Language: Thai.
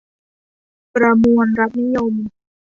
ประมวลรัฐนิยม